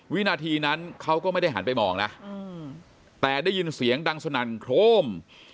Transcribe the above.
วินาทีนั้นเขาก็ไม่ได้หันไปมองนะแต่ได้ยินเสียงดังสนั่นโครม